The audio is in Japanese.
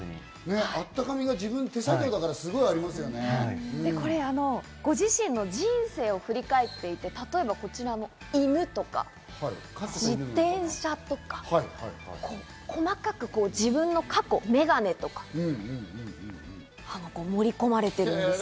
温かみがすごくありますよね、ご自身の人生を振り返っていて、例えばこちらの犬とか、自転車とか、細かく自分の過去、メガネとか盛り込まれているそうです。